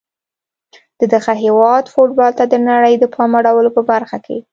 د دغه هیواد فوټبال ته د نړۍ د پام اړولو په برخه کي